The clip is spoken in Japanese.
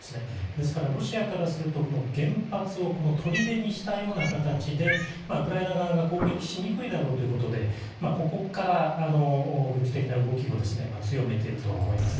ですから、ロシアからすると原発を砦にしたような形でウクライナ側が攻撃しにくいだろうという形でここから軍事的な動きを強めていると思います。